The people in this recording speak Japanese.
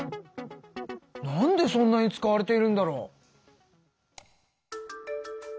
なんでそんなに使われているんだろう？